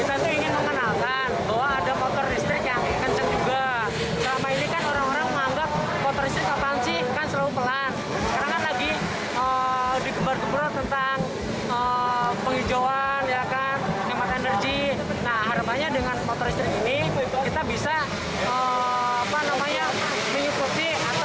atau mendukung program pemerintah